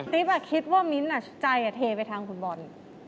คิดว่ามิ้นท์ใจเทไปทางคุณบอล